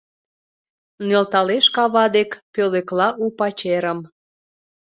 Нӧлталеш кава дек, пӧлекла у пачерым.